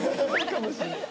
かもしんない。